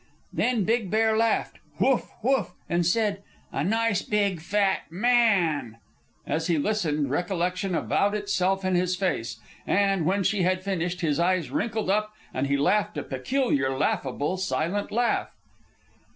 Then Big Bear laughed 'Whoof! Whoof!' and said, 'A Nice Big Fat Man!'" As he listened, recollection avowed itself in his face, and, when she had finished, his eyes wrinkled up and he laughed a peculiar, laughable silent laugh.